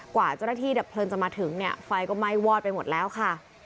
กว่าเจ้าหน้าที่ดับเพลิงจะมาถึงเนี่ยไฟก็ไหม้วอดไปหมดแล้วค่ะ